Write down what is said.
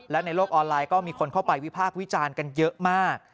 และในโลกออนไลน์ก็มีคนเข้าไปวิพากษ์วิจารณ์กันเยอะมาก